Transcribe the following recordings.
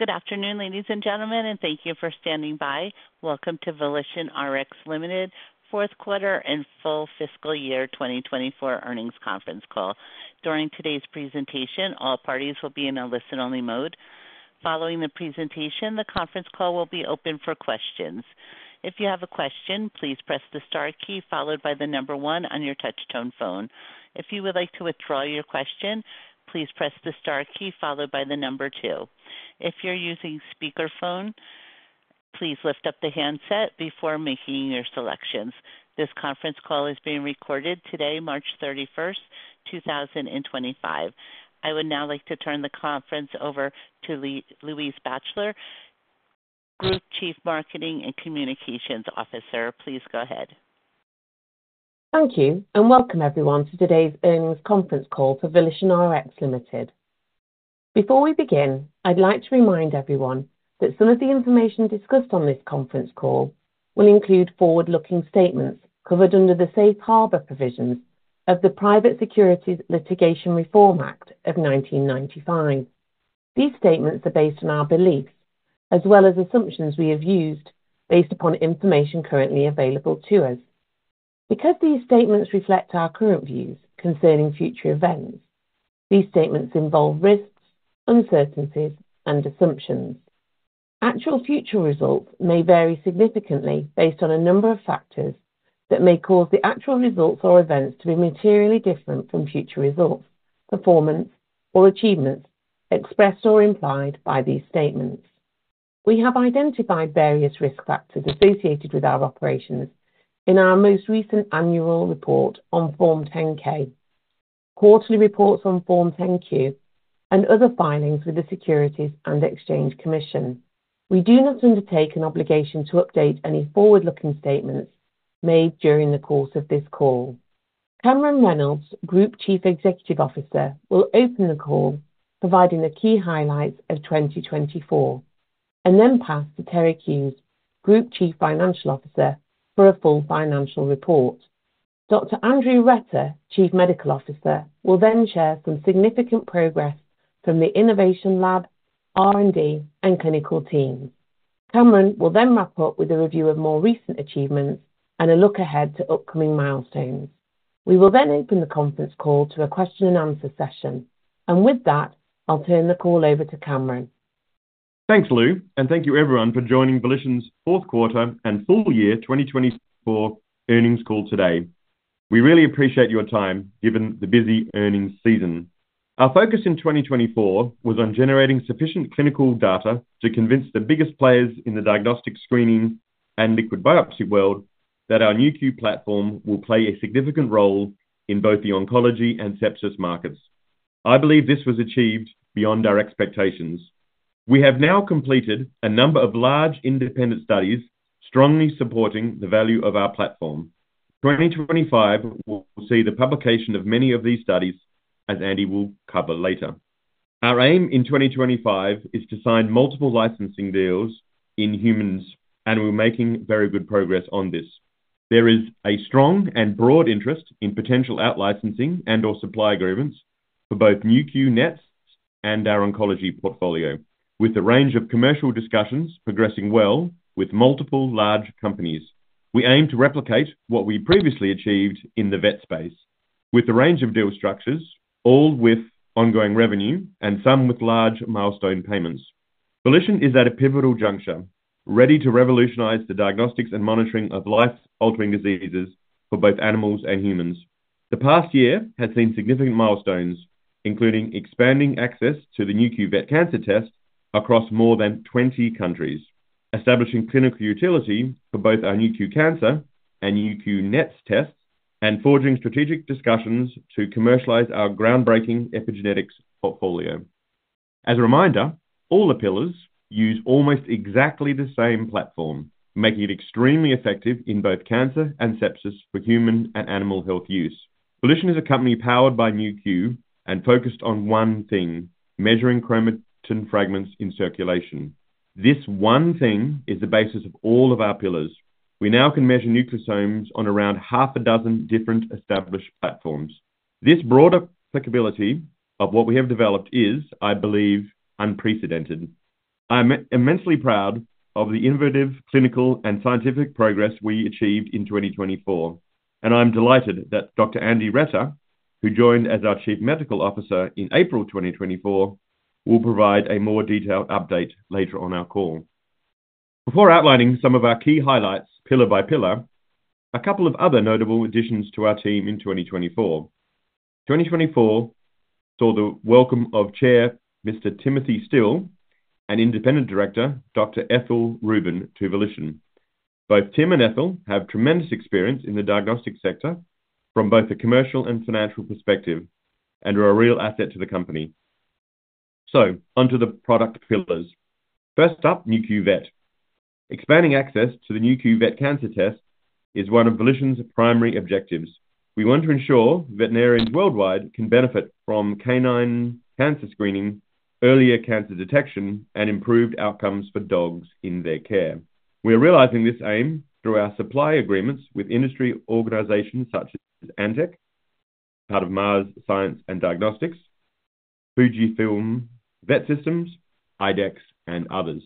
Good afternoon, ladies and gentlemen, and thank you for standing by. Welcome to VolitionRx Limited, fourth quarter and full fiscal year 2024 earnings conference call. During today's presentation, all parties will be in a listen-only mode. Following the presentation, the conference call will be open for questions. If you have a question, please press the star key followed by the number one on your touch-tone phone. If you would like to withdraw your question, please press the star key followed by the number two. If you're using speakerphone, please lift up the handset before making your selections. This conference call is being recorded today, March 31st, 2025. I would now like to turn the conference over to Louise Batchelor, Group Chief Marketing and Communications Officer. Please go ahead. Thank you, and welcome everyone to today's earnings conference call for VolitionRx Limited. Before we begin, I'd like to remind everyone that some of the information discussed on this conference call will include forward-looking statements covered under the Safe Harbor provisions of the Private Securities Litigation Reform Act of 1995. These statements are based on our beliefs as well as assumptions we have used based upon information currently available to us. Because these statements reflect our current views concerning future events, these statements involve risks, uncertainties, and assumptions. Actual future results may vary significantly based on a number of factors that may cause the actual results or events to be materially different from future results, performance, or achievements expressed or implied by these statements. We have identified various risk factors associated with our operations in our most recent annual report on Form 10-K, quarterly reports on Form 10-Q, and other filings with the Securities and Exchange Commission. We do not undertake an obligation to update any forward-looking statements made during the course of this call. Cameron Reynolds, Group Chief Executive Officer, will open the call, providing the key highlights of 2024, and then pass to Terig Hughes, Group Chief Financial Officer, for a full financial report. Dr. Andrew Retter, Chief Medical Officer, will then share some significant progress from the innovation lab, R&D, and clinical teams. Cameron will then wrap up with a review of more recent achievements and a look ahead to upcoming milestones. We will then open the conference call to a question-and-answer session, and with that, I'll turn the call over to Cameron. Thanks Lou, and thank you everyone for joining Volition's fourth quarter and full year 2024 earnings call today. We really appreciate your time given the busy earnings season. Our focus in 2024 was on generating sufficient clinical data to convince the biggest players in the diagnostic screening and liquid biopsy world that our Nu.Q platform will play a significant role in both the oncology and sepsis markets. I believe this was achieved beyond our expectations. We have now completed a number of large independent studies strongly supporting the value of our platform. 2025 will see the publication of many of these studies, as Andy will cover later. Our aim in 2025 is to sign multiple licensing deals in humans, and we're making very good progress on this. There is a strong and broad interest in potential outlicensing and/or supply agreements for both Nu.Q NETs and our oncology portfolio, with the range of commercial discussions progressing well with multiple large companies. We aim to replicate what we previously achieved in the vet space with the range of deal structures, all with ongoing revenue and some with large milestone payments. Volition is at a pivotal juncture, ready to revolutionize the diagnostics and monitoring of life-altering diseases for both animals and humans. The past year has seen significant milestones, including expanding access to the Nu.Q Vet Cancer Test across more than 20 countries, establishing clinical utility for both our Nu.Q Cancer and Nu.Q NETs tests, and forging strategic discussions to commercialize our groundbreaking epigenetics portfolio. As a reminder, all the pillars use almost exactly the same platform, making it extremely effective in both cancer and sepsis for human and animal health use. Volition is a company powered by Nu.Q and focused on one thing: measuring chromatin fragments in circulation. This one thing is the basis of all of our pillars. We now can measure nucleosomes on around half a dozen different established platforms. This broader applicability of what we have developed is, I believe, unprecedented. I'm immensely proud of the innovative clinical and scientific progress we achieved in 2024, and I'm delighted that Dr. Andrew Retter, who joined as our Chief Medical Officer in April 2024, will provide a more detailed update later on our call. Before outlining some of our key highlights pillar by pillar, a couple of other notable additions to our team in 2024. 2024 saw the welcome of Chair Mr. Timothy Still and Independent Director Dr. Ethel Rubin to Volition. Both Tim and Ethel have tremendous experience in the diagnostic sector from both a commercial and financial perspective and are a real asset to the company. Onto the product pillars. First up, Nu.Q Vet. Expanding access to the Nu.Q Vet Cancer Test is one of Volition's primary objectives. We want to ensure veterinarians worldwide can benefit from canine cancer screening, earlier cancer detection, and improved outcomes for dogs in their care. We are realizing this aim through our supply agreements with industry organizations such as Antech, part of Mars Science and Diagnostics, Fujifilm Vet Systems, IDEXX, and others.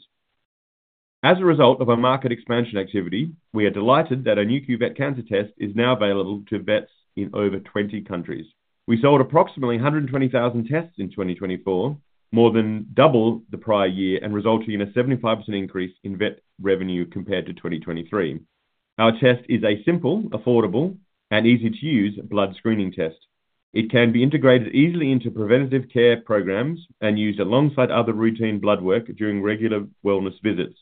As a result of our market expansion activity, we are delighted that our Nu.Q Vet Cancer Test is now available to vets in over 20 countries. We sold approximately 120,000 tests in 2024, more than double the prior year, and resulting in a 75% increase in vet revenue compared to 2023. Our test is a simple, affordable, and easy-to-use blood screening test. It can be integrated easily into preventative care programs and used alongside other routine blood work during regular wellness visits.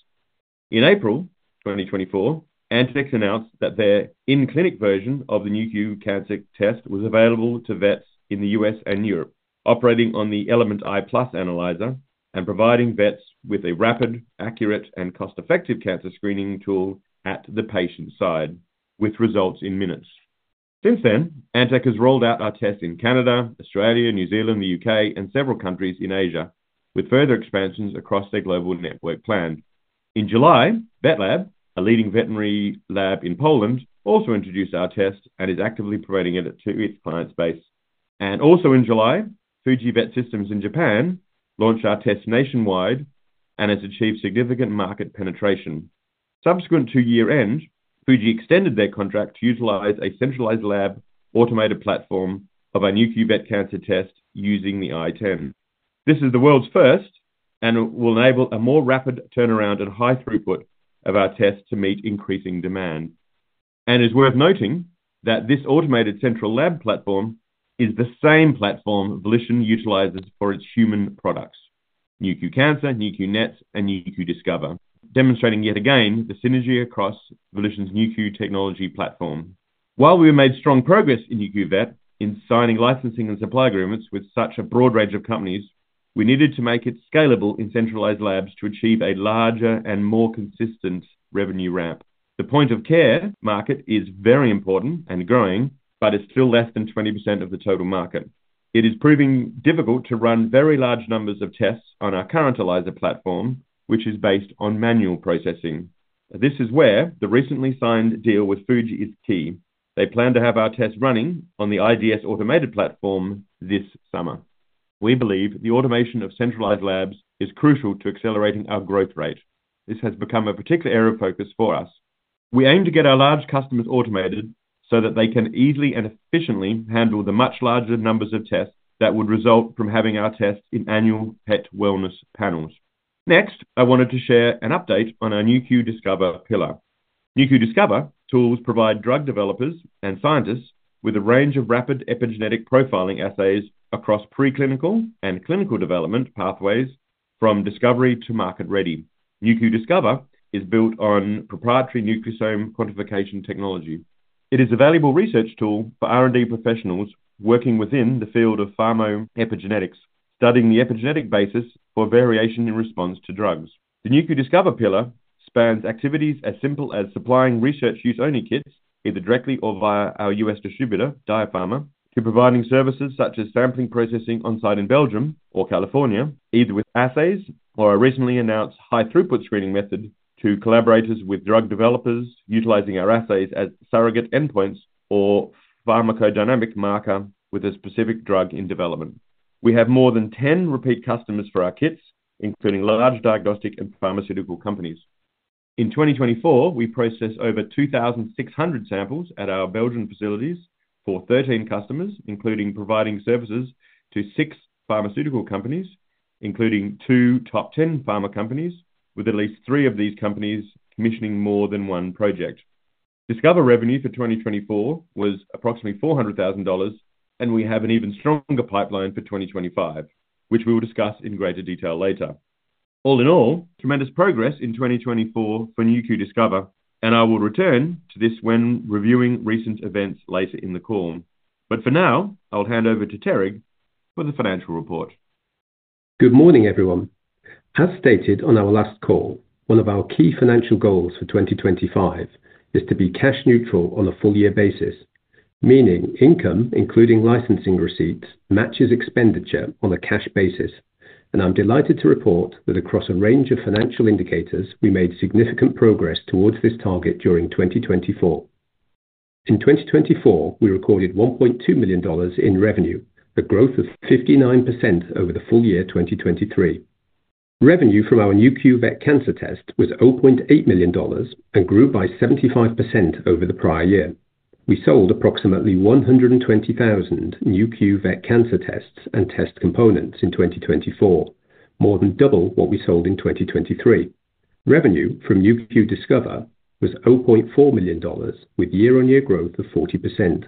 In April 2024, Antech announced that their in-clinic version of the Nu.Q Cancer Test was available to vets in the U.S. and Europe, operating on the Element i+ analyzer and providing vets with a rapid, accurate, and cost-effective cancer screening tool at the patient's side with results in minutes. Since then, Antech has rolled out our test in Canada, Australia, New Zealand, the U.K., and several countries in Asia, with further expansions across their global network planned. In July, Vetlab, a leading veterinary lab in Poland, also introduced our test and is actively providing it to its client base. Also in July, Fujifilm Vet Systems in Japan launched our test nationwide and has achieved significant market penetration. Subsequent to year-end, Fujifilm extended their contract to utilize a centralized lab automated platform of our Nu.Q Vet Cancer Test using the IDS. This is the world's first and will enable a more rapid turnaround and high throughput of our test to meet increasing demand. It is worth noting that this automated central lab platform is the same platform Volition utilizes for its human products: Nu.Q Cancer, Nu.Q NETs, and Nu.Q Discover, demonstrating yet again the synergy across Volition's Nu.Q technology platform. While we have made strong progress in Nu.Q Vet in signing licensing and supply agreements with such a broad range of companies, we needed to make it scalable in centralized labs to achieve a larger and more consistent revenue ramp. The point of care market is very important and growing, but it's still less than 20% of the total market. It is proving difficult to run very large numbers of tests on our current ELISA platform, which is based on manual processing. This is where the recently signed deal with Fujifilm Vet Systems is key. They plan to have our test running on the IDS automated platform this summer. We believe the automation of centralized labs is crucial to accelerating our growth rate. This has become a particular area of focus for us. We aim to get our large customers automated so that they can easily and efficiently handle the much larger numbers of tests that would result from having our tests in annual pet wellness panels. Next, I wanted to share an update on our Nu.Q Discover pillar. Nu.Q Discover tools provide drug developers and scientists with a range of rapid epigenetic profiling assays across preclinical and clinical development pathways from discovery to market ready. Nu.Q Discover is built on proprietary nucleosome quantification technology. It is a valuable research tool for R&D professionals working within the field of pharmaco epigenetics, studying the epigenetic basis for variation in response to drugs. The Nu.Q Discover pillar spans activities as simple as supplying research use-only kits, either directly or via our US distributor, Diapharma, to providing services such as sample processing on site in Belgium or California, either with assays or a recently announced high throughput screening method to collaborators with drug developers utilizing our assays as surrogate endpoints or pharmacodynamic marker with a specific drug in development. We have more than 10 repeat customers for our kits, including large diagnostic and pharmaceutical companies. In 2024, we processed over 2,600 samples at our Belgian facilities for 13 customers, including providing services to six pharmaceutical companies, including two top 10 pharma companies, with at least three of these companies commissioning more than one project. Discover revenue for 2024 was approximately $400,000, and we have an even stronger pipeline for 2025, which we will discuss in greater detail later. All in all, tremendous progress in 2024 for Nu.Q Discover, and I will return to this when reviewing recent events later in the call. For now, I'll hand over to Terig for the financial report. Good morning, everyone. As stated on our last call, one of our key financial goals for 2025 is to be cash neutral on a full year basis, meaning income, including licensing receipts, matches expenditure on a cash basis. I'm delighted to report that across a range of financial indicators, we made significant progress towards this target during 2024. In 2024, we recorded $1.2 million in revenue, a growth of 59% over the full year 2023. Revenue from our Nu.Q Vet Cancer Test was $0.8 million and grew by 75% over the prior year. We sold approximately 120,000 Nu.Q Vet Cancer Tests and test components in 2024, more than double what we sold in 2023. Revenue from Nu.Q Discover was $0.4 million, with year-on-year growth of 40%.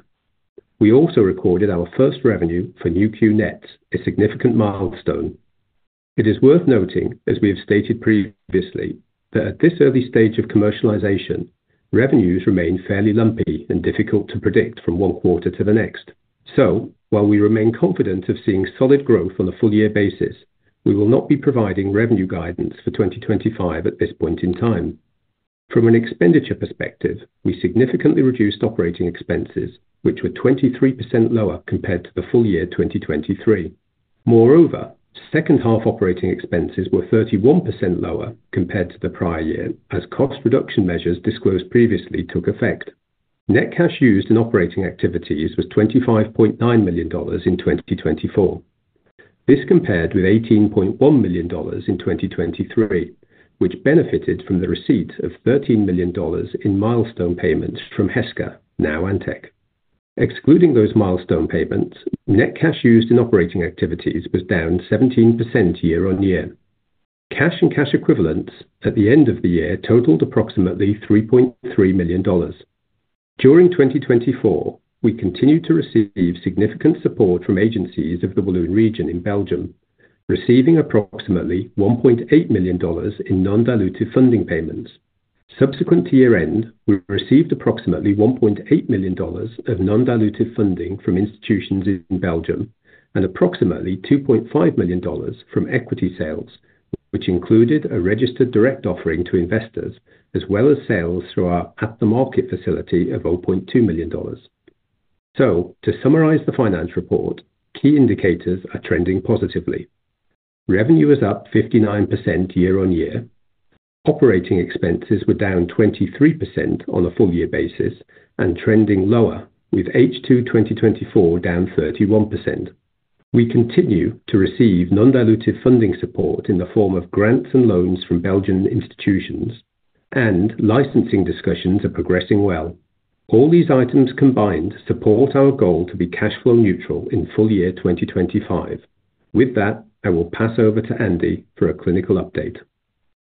We also recorded our first revenue for Nu.Q NETs, a significant milestone. It is worth noting, as we have stated previously, that at this early stage of commercialization, revenues remain fairly lumpy and difficult to predict from one quarter to the next. While we remain confident of seeing solid growth on a full year basis, we will not be providing revenue guidance for 2025 at this point in time. From an expenditure perspective, we significantly reduced operating expenses, which were 23% lower compared to the full year 2023. Moreover, second-half operating expenses were 31% lower compared to the prior year, as cost reduction measures disclosed previously took effect. Net cash used in operating activities was $25.9 million in 2024. This compared with $18.1 million in 2023, which benefited from the receipts of $13 million in milestone payments from Heska, now Antech. Excluding those milestone payments, net cash used in operating activities was down 17% year-on-year. Cash and cash equivalents at the end of the year totaled approximately $3.3 million. During 2024, we continued to receive significant support from agencies of the Walloon region in Belgium, receiving approximately $1.8 million in non-dilutive funding payments. Subsequent to year-end, we received approximately $1.8 million of non-dilutive funding from institutions in Belgium and approximately $2.5 million from equity sales, which included a registered direct offering to investors, as well as sales through our at-the-market facility of $0.2 million. To summarize the finance report, key indicators are trending positively. Revenue is up 59% year-on-year. Operating expenses were down 23% on a full year basis and trending lower, with H2 2024 down 31%. We continue to receive non-dilutive funding support in the form of grants and loans from Belgian institutions, and licensing discussions are progressing well. All these items combined support our goal to be cash flow neutral in full year 2025. With that, I will pass over to Andy for a clinical update.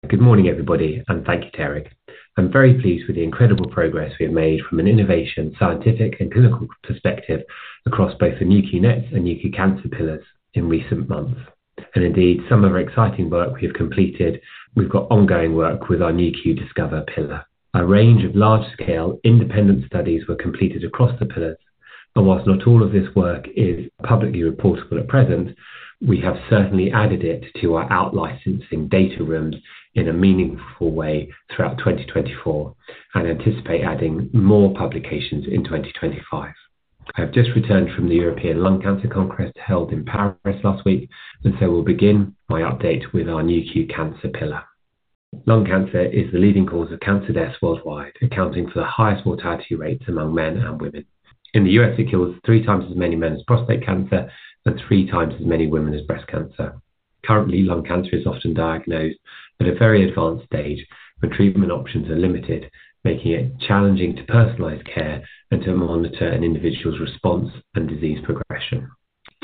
Good morning, everybody, and thank you, Terig. I'm very pleased with the incredible progress we have made from an innovation, scientific, and clinical perspective across both the Nu.Q NETs and Nu.Q Cancer pillars in recent months. Indeed, some of our exciting work we have completed, we've got ongoing work with our Nu.Q Discover pillar. A range of large-scale independent studies were completed across the pillars, and whilst not all of this work is publicly reportable at present, we have certainly added it to our out-licensing data rooms in a meaningful way throughout 2024 and anticipate adding more publications in 2025. I have just returned from the European Lung Cancer Congress held in Paris last week, and I will begin my update with our Nu.Q Cancer pillar. Lung cancer is the leading cause of cancer deaths worldwide, accounting for the highest mortality rates among men and women. In the U.S., it kills three times as many men as prostate cancer and three times as many women as breast cancer. Currently, lung cancer is often diagnosed at a very advanced stage, but treatment options are limited, making it challenging to personalize care and to monitor an individual's response and disease progression.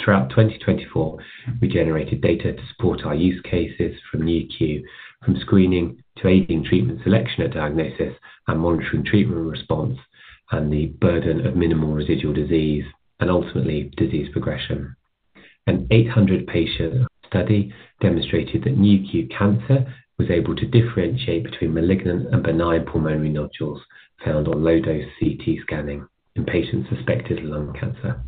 Throughout 2024, we generated data to support our use cases from Nu.Q, from screening to aiding treatment selection at diagnosis and monitoring treatment response, and the burden of minimal residual disease and ultimately disease progression. An 800-patient study demonstrated that Nu.Q Cancer was able to differentiate between malignant and benign pulmonary nodules found on low-dose CT scanning in patients suspected of lung cancer.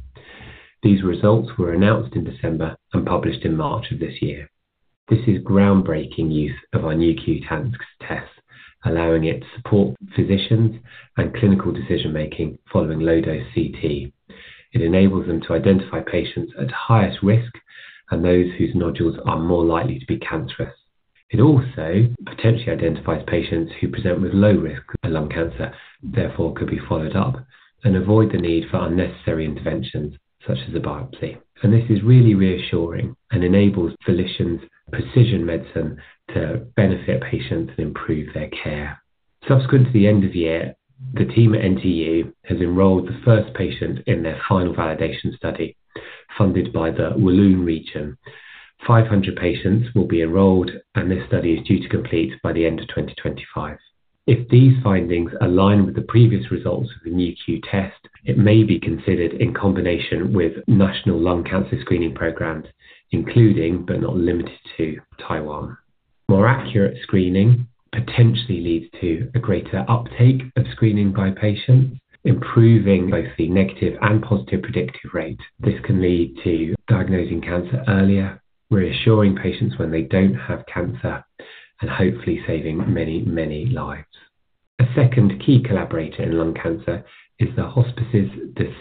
These results were announced in December and published in March of this year. This is groundbreaking use of our Nu.Q tests, allowing it to support physicians and clinical decision-making following low-dose CT. It enables them to identify patients at highest risk and those whose nodules are more likely to be cancerous. It also potentially identifies patients who present with low-risk lung cancer, therefore could be followed up and avoid the need for unnecessary interventions such as a biopsy. This is really reassuring and enables Volition's precision medicine to benefit patients and improve their care. Subsequent to the end of the year, the team at NTU has enrolled the first patient in their final validation study funded by the Walloon region. 500 patients will be enrolled, and this study is due to complete by the end of 2025. If these findings align with the previous results of the Nu.Q test, it may be considered in combination with national lung cancer screening programs, including but not limited to Taiwan. More accurate screening potentially leads to a greater uptake of screening by patients, improving both the negative and positive predictive rate. This can lead to diagnosing cancer earlier, reassuring patients when they do not have cancer, and hopefully saving many, many lives. A second key collaborator in lung cancer is the Hospices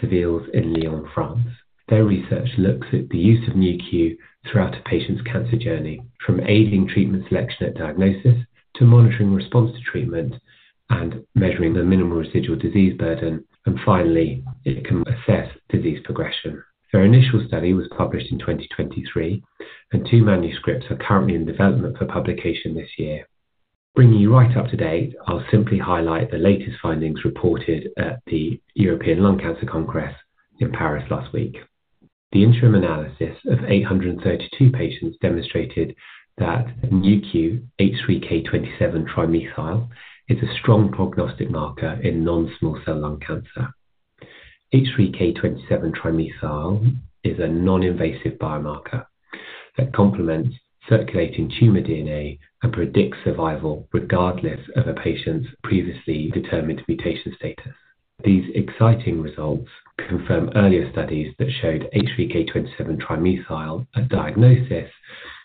Civils de Lyon in Lyon, France. Their research looks at the use of Nu.Q throughout a patient's cancer journey, from aiding treatment selection at diagnosis to monitoring response to treatment and measuring the minimal residual disease burden. Finally, it can assess disease progression. Their initial study was published in 2023, and two manuscripts are currently in development for publication this year. Bringing you right up to date, I'll simply highlight the latest findings reported at the European Lung Cancer Congress in Paris last week. The interim analysis of 832 patients demonstrated that Nu.Q H3K27 trimethyl is a strong prognostic marker in non-small cell lung cancer. H3K27 trimethyl is a non-invasive biomarker that complements circulating tumor DNA and predicts survival regardless of a patient's previously determined mutation status. These exciting results confirm earlier studies that showed H3K27 trimethyl as diagnosis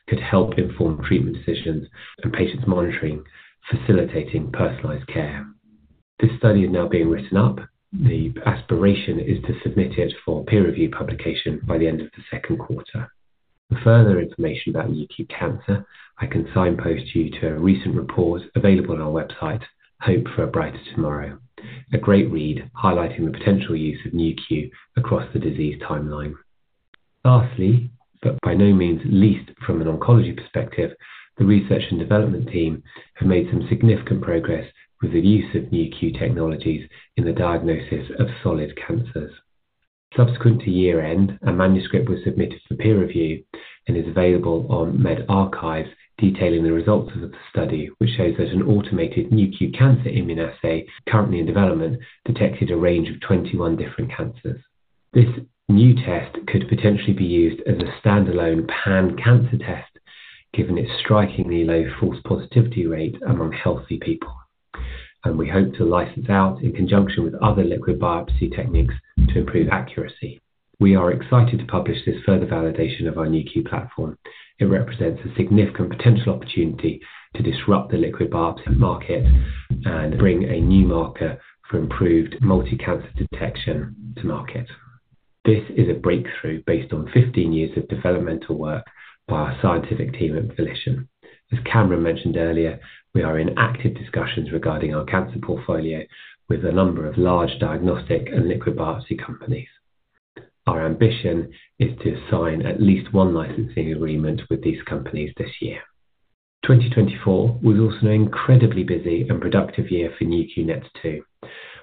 could help inform treatment decisions and patients' monitoring, facilitating personalized care. This study is now being written up. The aspiration is to submit it for peer review publication by the end of the second quarter. For further information about Nu.Q Cancer, I can signpost you to a recent report available on our website, Hope for a Brighter Tomorrow, a great read highlighting the potential use of Nu.Q across the disease timeline. Lastly, but by no means least from an oncology perspective, the research and development team have made some significant progress with the use of Nu.Q technologies in the diagnosis of solid cancers. Subsequent to year-end, a manuscript was submitted for peer review and is available on medRxiv detailing the results of the study, which shows that an automated Nu.Q Cancer immune assay currently in development detected a range of 21 different cancers. This new test could potentially be used as a standalone pan-cancer test, given its strikingly low false positivity rate among healthy people. We hope to license out in conjunction with other liquid biopsy techniques to improve accuracy. We are excited to publish this further validation of our Nu.Q platform. It represents a significant potential opportunity to disrupt the liquid biopsy market and bring a new marker for improved multi-cancer detection to market. This is a breakthrough based on 15 years of developmental work by our scientific team at Volition. As Cameron mentioned earlier, we are in active discussions regarding our cancer portfolio with a number of large diagnostic and liquid biopsy companies. Our ambition is to sign at least one licensing agreement with these companies this year. 2024 was also an incredibly busy and productive year for Nu.Q NETs too.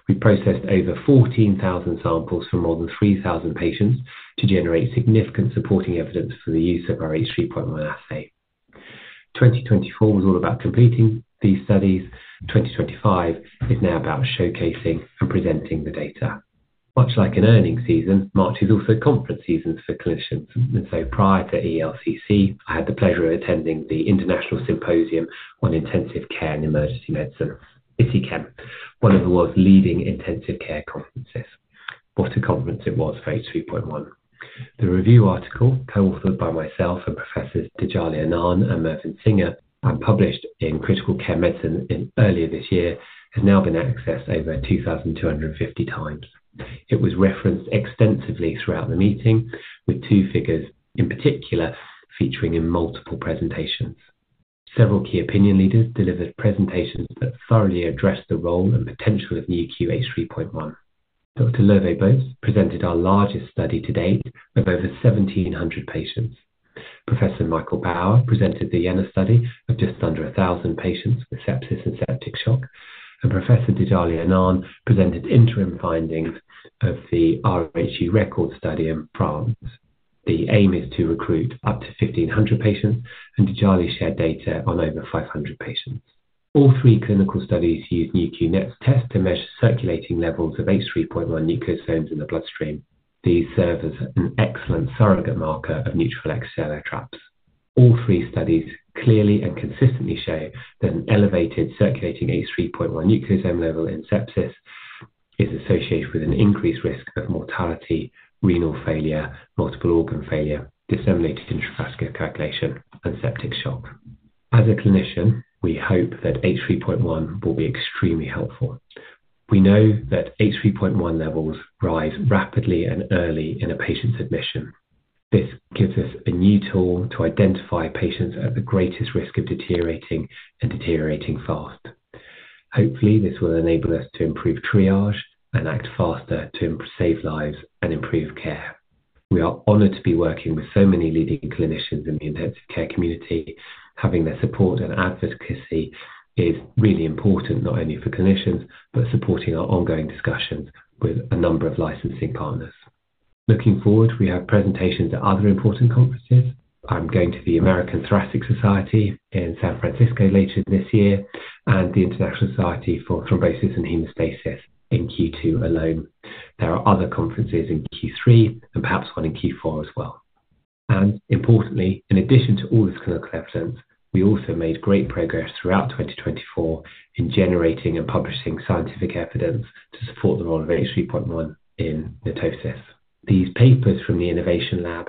We processed over 14,000 samples from more than 3,000 patients to generate significant supporting evidence for the use of our H3.1 assay. 2024 was all about completing these studies. 2025 is now about showcasing and presenting the data. Much like an earnings season, March is also conference season for clinicians. Prior to ELCC, I had the pleasure of attending the International Symposium on Intensive Care and Emergency Medicine, ISICEM, one of the world's leading intensive care conferences. What a conference it was for H3.1. The review article, co-authored by myself and Professors Djillali Annane and Mervyn Singer, and published in Critical Care Medicine earlier this year, has now been accessed over 2,250 times. It was referenced extensively throughout the meeting, with two figures in particular featuring in multiple presentations. Several key opinion leaders delivered presentations that thoroughly addressed the role and potential of Nu.Q H3.1. Dr. Lieuwe Bos presented our largest study to date of over 1,700 patients. Professor Michael Bauer presented the Jena study of just under 1,000 patients with sepsis and septic shock. Professor Djillali Annane presented interim findings of the RHU RECORDS study in France. The aim is to recruit up to 1,500 patients, and Djillali shared data on over 500 patients. All three clinical studies used Nu.Q NETs tests to measure circulating levels of H3.1 nucleosomes in the bloodstream. These serve as an excellent surrogate marker of neutrophil extracellular traps. All three studies clearly and consistently show that an elevated circulating H3.1 nucleosome level in sepsis is associated with an increased risk of mortality, renal failure, multiple organ failure, disseminated intravascular coagulation, and septic shock. As a clinician, we hope that H3.1 will be extremely helpful. We know that H3.1 levels rise rapidly and early in a patient's admission. This gives us a new tool to identify patients at the greatest risk of deteriorating and deteriorating fast. Hopefully, this will enable us to improve triage and act faster to save lives and improve care. We are honored to be working with so many leading clinicians in the intensive care community. Having their support and advocacy is really important not only for clinicians, but supporting our ongoing discussions with a number of licensing partners. Looking forward, we have presentations at other important conferences. I'm going to the American Thoracic Society in San Francisco later this year and the International Society for Thrombosis and Hemostasis in Q2 alone. There are other conferences in Q3 and perhaps one in Q4 as well. Importantly, in addition to all this clinical evidence, we also made great progress throughout 2024 in generating and publishing scientific evidence to support the role of H3.1 in mitosis. These papers from the Innovation Lab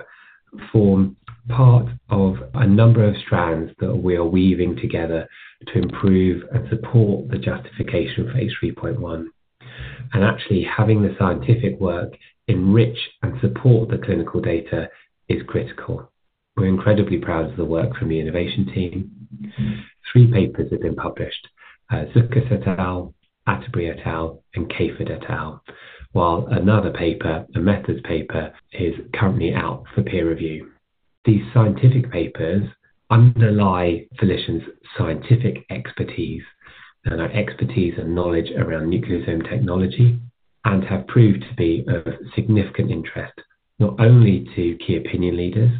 form part of a number of strands that we are weaving together to improve and support the justification for H3.1. Actually, having the scientific work enrich and support the clinical data is critical. We're incredibly proud of the work from the Innovation Team. Three papers have been published, Zucker et al., El Khattabi et al., and Caffer et al., while another paper, a methods paper, is currently out for peer review. These scientific papers underlie Volition's scientific expertise and our expertise and knowledge around nucleosome technology and have proved to be of significant interest not only to key opinion leaders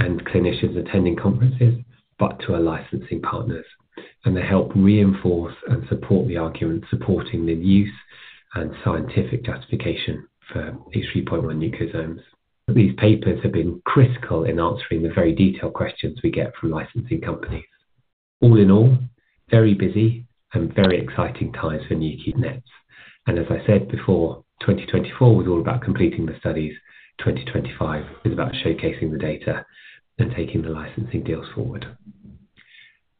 and clinicians attending conferences, but to our licensing partners. They help reinforce and support the argument supporting the use and scientific justification for H3.1 nucleosomes. These papers have been critical in answering the very detailed questions we get from licensing companies. All in all, very busy and very exciting times for Nu.Q NETs. As I said before, 2024 was all about completing the studies. 2025 is about showcasing the data and taking the licensing deals forward.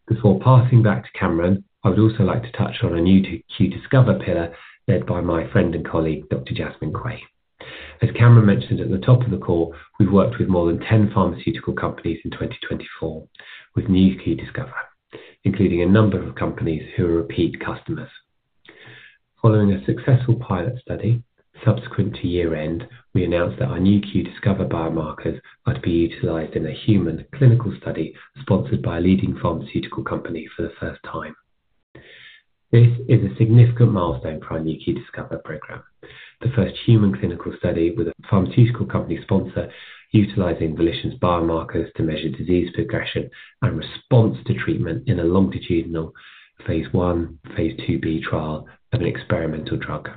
Before passing back to Cameron, I would also like to touch on a Nu.Q Discover pillar led by my friend and colleague, Dr. Jasmine Kway. As Cameron mentioned at the top of the call, we've worked with more than 10 pharmaceutical companies in 2024 with Nu.Q Discover, including a number of companies who are repeat customers. Following a successful pilot study subsequent to year-end, we announced that our Nu.Q Discover biomarkers are to be utilized in a human clinical study sponsored by a leading pharmaceutical company for the first time. This is a significant milestone for our Nu.Q Discover program, the first human clinical study with a pharmaceutical company sponsor utilizing Volition's biomarkers to measure disease progression and response to treatment in a longitudinal phase one, phase two B trial of an experimental drug.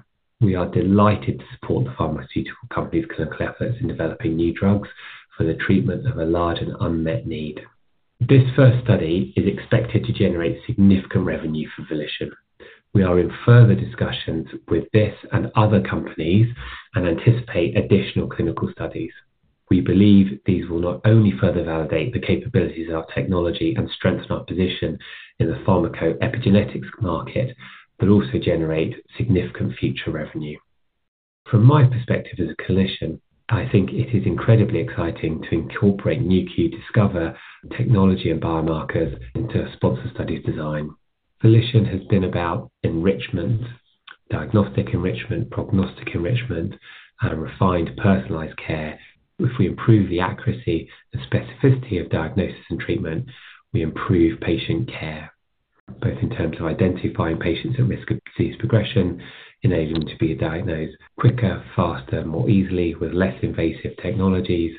We are delighted to support the pharmaceutical company's clinical efforts in developing new drugs for the treatment of a large and unmet need. This first study is expected to generate significant revenue for Volition. We are in further discussions with this and other companies and anticipate additional clinical studies. We believe these will not only further validate the capabilities of our technology and strengthen our position in the pharmaco epigenetics market, but also generate significant future revenue. From my perspective as a clinician, I think it is incredibly exciting to incorporate Nu.Q Discover technology and biomarkers into sponsor studies design. Volition has been about enrichment, diagnostic enrichment, prognostic enrichment, and refined personalized care. If we improve the accuracy and specificity of diagnosis and treatment, we improve patient care, both in terms of identifying patients at risk of disease progression, enabling them to be diagnosed quicker, faster, more easily, with less invasive technologies,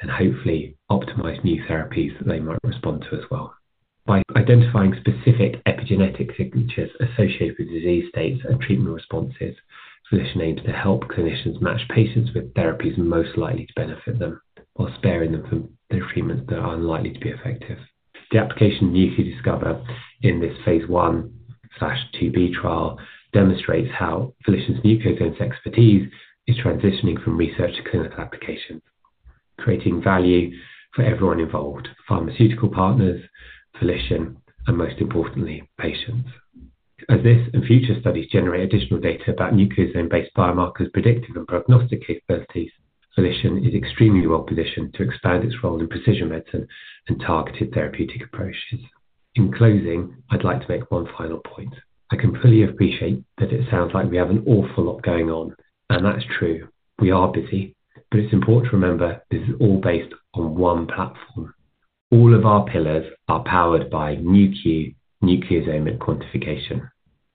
and hopefully optimize new therapies that they might respond to as well. By identifying specific epigenetic signatures associated with disease states and treatment responses, Volition aims to help clinicians match patients with therapies most likely to benefit them while sparing them from their treatments that are unlikely to be effective. The application of Nu.Q Discover in this phase one/two B trial demonstrates how Volition's nucleosome expertise is transitioning from research to clinical applications, creating value for everyone involved: pharmaceutical partners, Volition, and most importantly, patients. As this and future studies generate additional data about nucleosome-based biomarkers' predictive and prognostic capabilities, Volition is extremely well positioned to expand its role in precision medicine and targeted therapeutic approaches. In closing, I'd like to make one final point. I can fully appreciate that it sounds like we have an awful lot going on, and that's true. We are busy, but it's important to remember this is all based on one platform. All of our pillars are powered by Nu.Q nucleosomic quantification.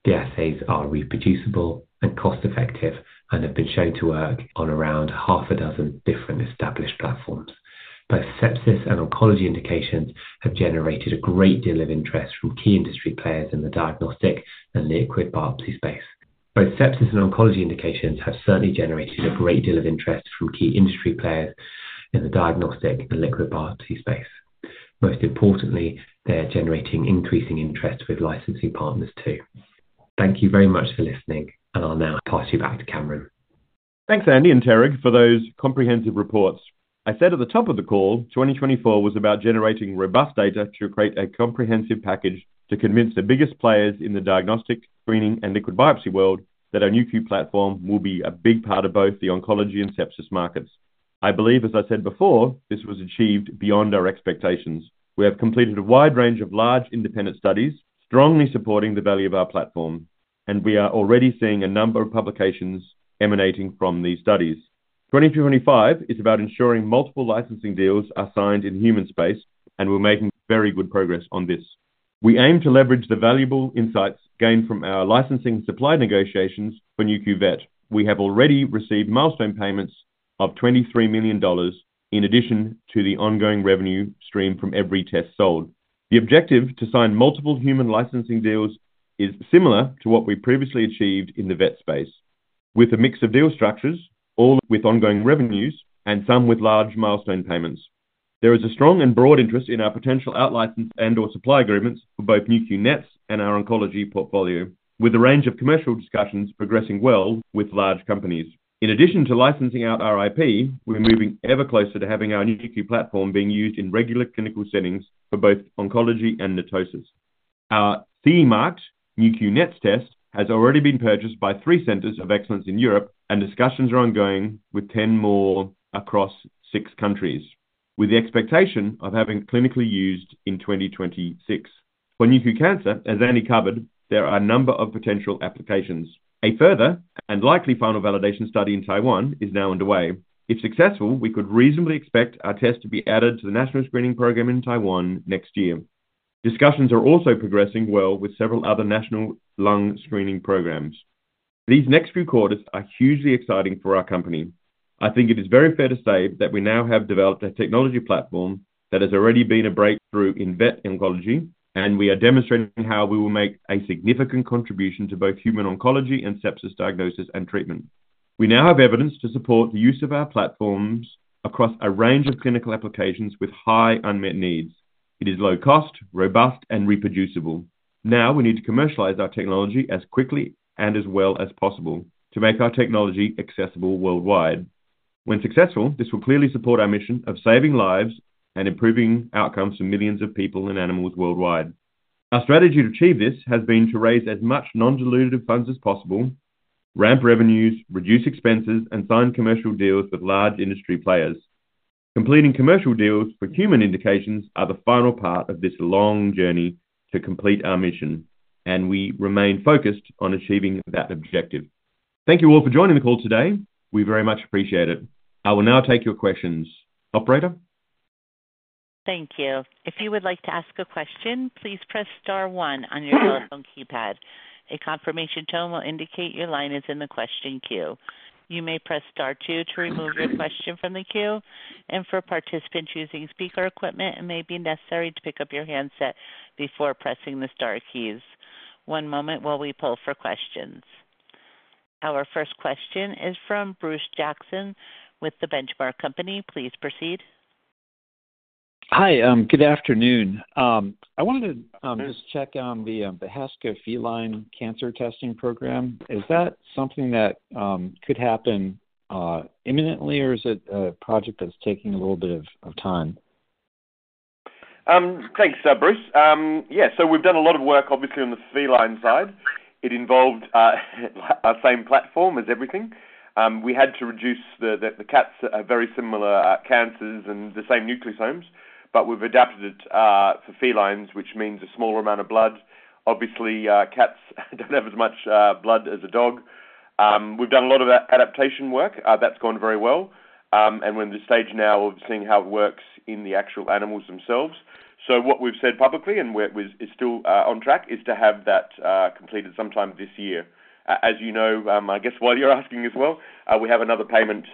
The assays are reproducible and cost-effective and have been shown to work on around half a dozen different established platforms. Both sepsis and oncology indications have generated a great deal of interest from key industry players in the diagnostic and liquid biopsy space. Both sepsis and oncology indications have certainly generated a great deal of interest from key industry players in the diagnostic and liquid biopsy space. Most importantly, they're generating increasing interest with licensing partners too. Thank you very much for listening, and I'll now pass you back to Cameron. Thanks, Andy and Terig, for those comprehensive reports. I said at the top of the call, 2024 was about generating robust data to create a comprehensive package to convince the biggest players in the diagnostic, screening, and liquid biopsy world that our Nu.Q platform will be a big part of both the oncology and sepsis markets. I believe, as I said before, this was achieved beyond our expectations. We have completed a wide range of large independent studies strongly supporting the value of our platform, and we are already seeing a number of publications emanating from these studies. 2025 is about ensuring multiple licensing deals are signed in human space, and we're making very good progress on this. We aim to leverage the valuable insights gained from our licensing supply negotiations for Nu.Q Vet. We have already received milestone payments of $23 million in addition to the ongoing revenue stream from every test sold. The objective to sign multiple human licensing deals is similar to what we previously achieved in the vet space, with a mix of deal structures, all with ongoing revenues and some with large milestone payments. There is a strong and broad interest in our potential out-license and/or supply agreements for both Nu.Q NETs and our oncology portfolio, with a range of commercial discussions progressing well with large companies. In addition to licensing out our IP, we're moving ever closer to having our Nu.Q platform being used in regular clinical settings for both oncology and mitosis. Our theme-marked Nu.Q NETs test has already been purchased by three centers of excellence in Europe, and discussions are ongoing with 10 more across six countries, with the expectation of having it clinically used in 2026. For Nu.Q Cancer, as Andy covered, there are a number of potential applications. A further and likely final validation study in Taiwan is now underway. If successful, we could reasonably expect our test to be added to the national screening program in Taiwan next year. Discussions are also progressing well with several other national lung screening programs. These next few quarters are hugely exciting for our company. I think it is very fair to say that we now have developed a technology platform that has already been a breakthrough in vet oncology, and we are demonstrating how we will make a significant contribution to both human oncology and sepsis diagnosis and treatment. We now have evidence to support the use of our platforms across a range of clinical applications with high unmet needs. It is low cost, robust, and reproducible. Now we need to commercialize our technology as quickly and as well as possible to make our technology accessible worldwide. When successful, this will clearly support our mission of saving lives and improving outcomes for millions of people and animals worldwide. Our strategy to achieve this has been to raise as much non-dilutive funds as possible, ramp revenues, reduce expenses, and sign commercial deals with large industry players. Completing commercial deals for human indications are the final part of this long journey to complete our mission, and we remain focused on achieving that objective. Thank you all for joining the call today. We very much appreciate it. I will now take your questions, operator? Thank you. If you would like to ask a question, please press star one on your telephone keypad. A confirmation tone will indicate your line is in the question queue. You may press star two to remove your question from the queue. For participants using speaker equipment, it may be necessary to pick up your handset before pressing the star keys. One moment while we poll for questions. Our first question is from Bruce Jackson with Benchmark Company. Please proceed. Hi, good afternoon. I wanted to just check on the Heska Feline Cancer Testing Program. Is that something that could happen imminently, or is it a project that's taking a little bit of time? Thanks, Bruce. Yeah, so we've done a lot of work, obviously, on the feline side. It involved our same platform as everything. We had to reduce the cats' very similar cancers and the same nucleosomes, but we've adapted it for felines, which means a smaller amount of blood. Obviously, cats don't have as much blood as a dog. We've done a lot of adaptation work. That's gone very well. We are in the stage now of seeing how it works in the actual animals themselves. What we've said publicly and is still on track is to have that completed sometime this year. As you know, I guess while you're asking as well, we have another payment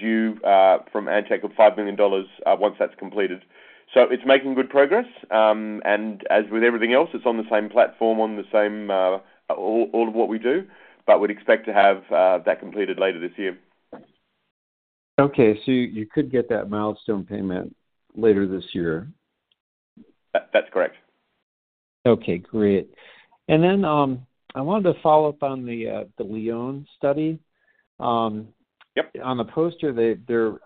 due from Antech of $5 million once that's completed. It's making good progress. As with everything else, it's on the same platform, on all of what we do, but we'd expect to have that completed later this year. Okay, so you could get that milestone payment later this year. That's correct. Okay, great. I wanted to follow up on the Lyon study. On the poster, they're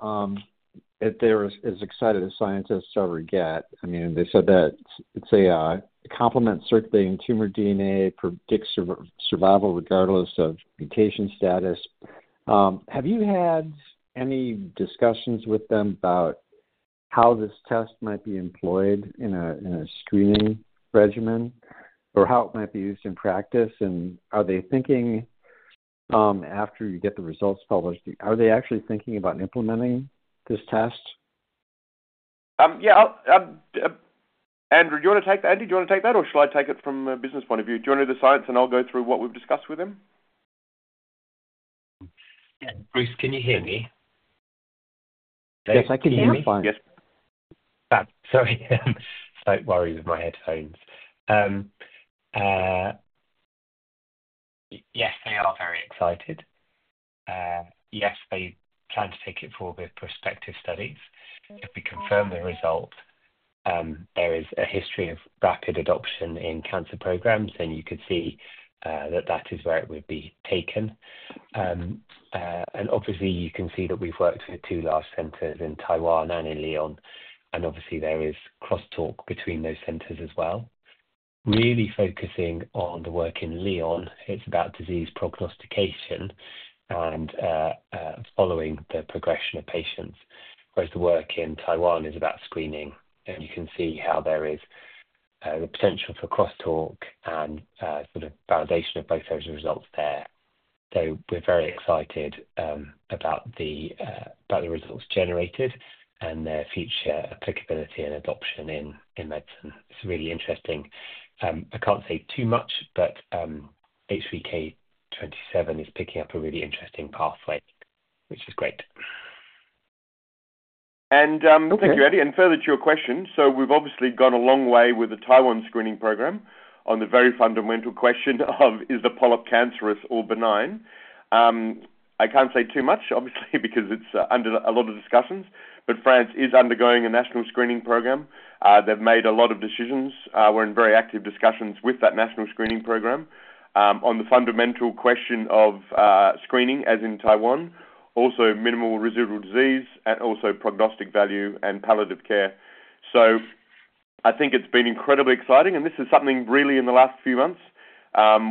as excited a scientist as ever get. I mean, they said that it's a complement circulating tumor DNA predicts survival regardless of mutation status. Have you had any discussions with them about how this test might be employed in a screening regimen or how it might be used in practice? Are they thinking, after you get the results published, are they actually thinking about implementing this test? Yeah, Andrew, do you want to take that? Andrew, do you want to take that, or should I take it from a business point of view? Do you want to do the science, and I'll go through what we've discussed with them? Yeah, Bruce, can you hear me? Yes, I can hear you fine. Yes. Sorry. I'm so worried with my headphones. Yes, they are very excited. Yes, they plan to take it for their prospective studies. If we confirm the result, there is a history of rapid adoption in cancer programs, and you could see that that is where it would be taken. Obviously, you can see that we've worked with two large centers in Taiwan and in Lyon, and obviously, there is cross-talk between those centers as well. Really focusing on the work in Lyon, it's about disease prognostication and following the progression of patients, whereas the work in Taiwan is about screening. You can see how there is the potential for cross-talk and sort of validation of both those results there. We're very excited about the results generated and their future applicability and adoption in medicine. It's really interesting. I can't say too much, but H3K27 is picking up a really interesting pathway, which is great. Thank you, Andy. Further to your question, we've obviously gone a long way with the Taiwan screening program on the very fundamental question of, is the polyp cancerous or benign? I can't say too much, obviously, because it's under a lot of discussions, but France is undergoing a national screening program. They've made a lot of decisions. We're in very active discussions with that national screening program on the fundamental question of screening, as in Taiwan, also minimal residual disease, and also prognostic value and palliative care. I think it's been incredibly exciting, and this is something really in the last few months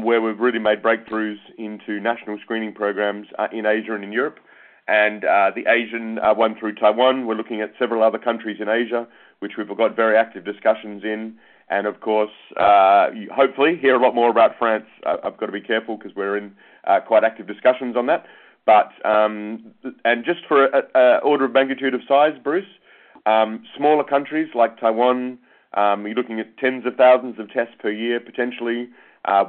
where we've really made breakthroughs into national screening programs in Asia and in Europe. The Asian one through Taiwan, we're looking at several other countries in Asia, which we've got very active discussions in. Of course, hopefully, hear a lot more about France. I've got to be careful because we're in quite active discussions on that. Just for order of magnitude of size, Bruce, smaller countries like Taiwan, you're looking at tens of thousands of tests per year, potentially.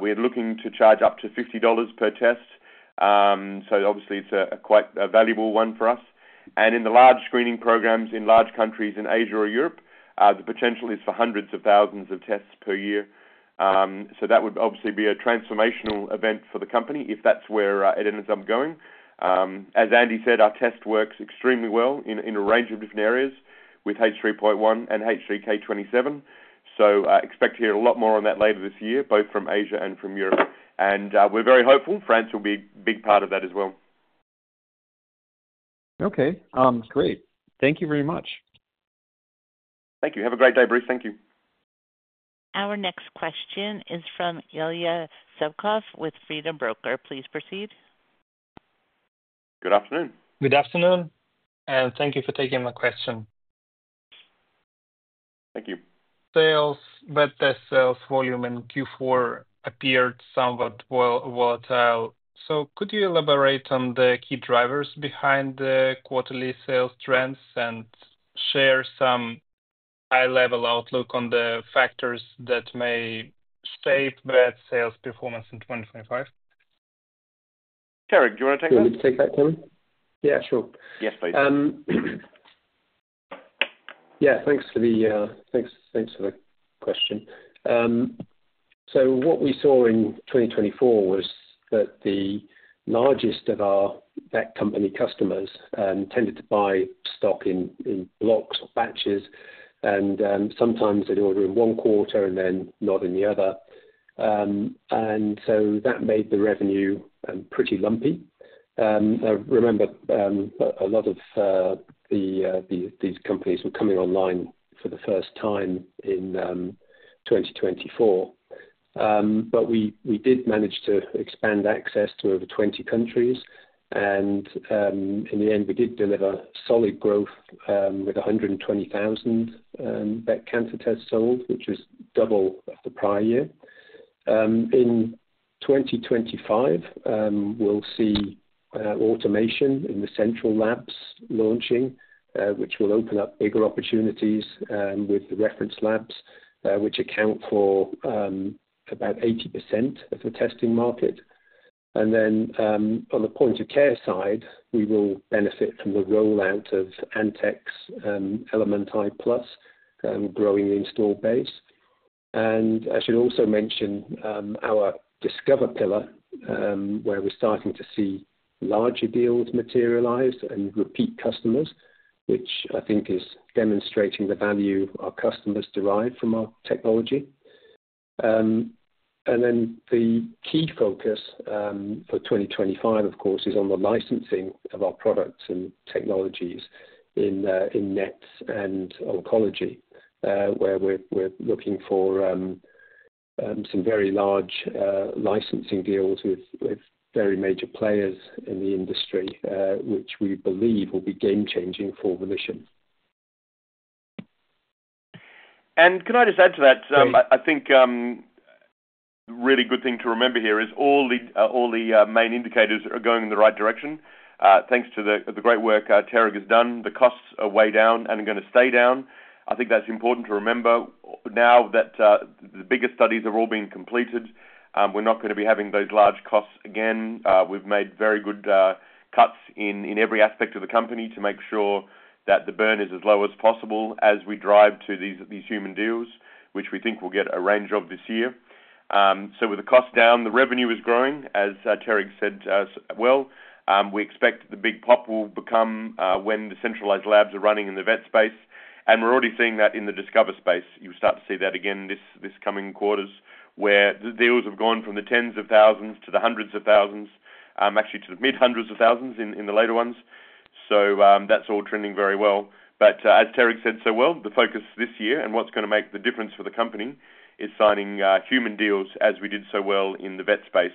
We're looking to charge up to $50 per test. Obviously, it's a quite valuable one for us. In the large screening programs in large countries in Asia or Europe, the potential is for hundreds of thousands of tests per year. That would obviously be a transformational event for the company if that's where it ends up going. As Andy said, our test works extremely well in a range of different areas with H3.1 and H3K27. Expect to hear a lot more on that later this year, both from Asia and from Europe. We are very hopeful France will be a big part of that as well. Okay, great. Thank you very much. Thank you. Have a great day, Bruce. Thank you. Our next question is from Ilya Zubkov with FreedomBroker. Please proceed. Good afternoon. Good afternoon. Thank you for taking my question. Thank you. Sales, vet test sales volume in Q4 appeared somewhat volatile. Could you elaborate on the key drivers behind the quarterly sales trends and share some high-level outlook on the factors that may shape vet sales performance in 2025? Terig, do you want to take that? You want me to take that one? Yeah, sure. Yes, please. Yeah, thanks for the question. What we saw in 2024 was that the largest of our vet company customers tended to buy stock in blocks or batches, and sometimes they'd order in one quarter and then not in the other. That made the revenue pretty lumpy. I remember a lot of these companies were coming online for the first time in 2024. We did manage to expand access to over 20 countries. In the end, we did deliver solid growth with 120,000 vet cancer tests sold, which was double the prior year. In 2025, we'll see automation in the central labs launching, which will open up bigger opportunities with the reference labs, which account for about 80% of the testing market. On the point of care side, we will benefit from the rollout of Antech's Element i+ growing the install base. I should also mention our Discover pillar, where we're starting to see larger deals materialize and repeat customers, which I think is demonstrating the value our customers derive from our technology. The key focus for 2025, of course, is on the licensing of our products and technologies in NETs and oncology, where we're looking for some very large licensing deals with very major players in the industry, which we believe will be game-changing for Volition. Can I just add to that? I think a really good thing to remember here is all the main indicators are going in the right direction. Thanks to the great work Terig has done, the costs are way down and are going to stay down. I think that's important to remember now that the biggest studies have all been completed. We're not going to be having those large costs again. We've made very good cuts in every aspect of the company to make sure that the burn is as low as possible as we drive to these human deals, which we think we'll get a range of this year. With the costs down, the revenue is growing, as Terig said well. We expect the big pop will become when the centralized labs are running in the vet space. We're already seeing that in the Discover space. You'll start to see that again this coming quarters, where the deals have gone from the tens of thousands to the hundreds of thousands, actually to the mid-hundreds of thousands in the later ones. That's all trending very well. As Terig said so well, the focus this year and what's going to make the difference for the company is signing human deals, as we did so well in the vet space.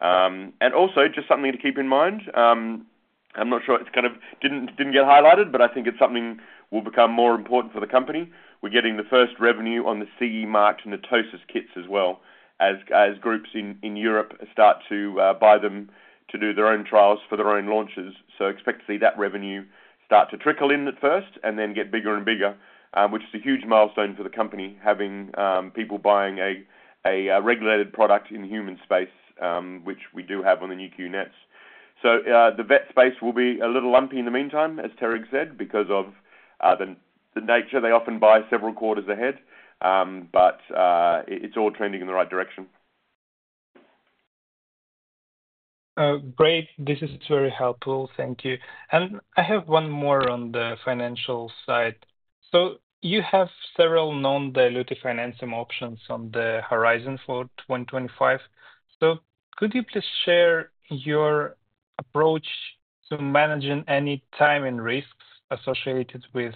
Also, just something to keep in mind, I'm not sure it kind of didn't get highlighted, but I think it's something that will become more important for the company. We're getting the first revenue on the CE marked NETosis kits as well, as groups in Europe start to buy them to do their own trials for their own launches. Expect to see that revenue start to trickle in at first and then get bigger and bigger, which is a huge milestone for the company, having people buying a regulated product in the human space, which we do have on the Nu.Q NETs. The vet space will be a little lumpy in the meantime, as Terig said, because of the nature. They often buy several quarters ahead, but it's all trending in the right direction. Great. This is very helpful. Thank you. I have one more on the financial side. You have several non-dilutive financing options on the horizon for 2025. Could you please share your approach to managing any time and risks associated with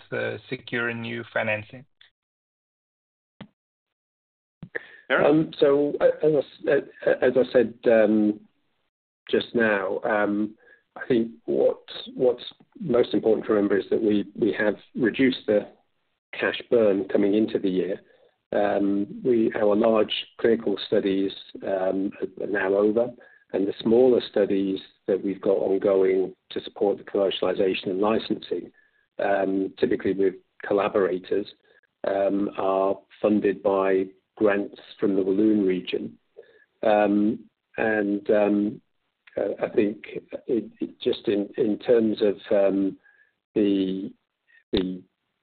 securing new financing? As I said just now, I think what's most important to remember is that we have reduced the cash burn coming into the year. Our large clinical studies are now over, and the smaller studies that we've got ongoing to support the commercialization and licensing, typically with collaborators, are funded by grants from the Walloon region. I think just in terms of the